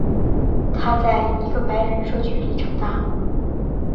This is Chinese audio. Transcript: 他在一个白人社区里长大。